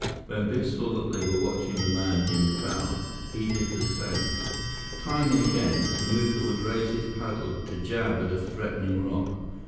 When Biff saw that they were watching the man in the bow, he did the same. Time and again, Kamuka would raise his paddle to jab at a threatening rock.